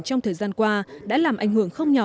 trong thời gian qua đã làm ảnh hưởng không nhỏ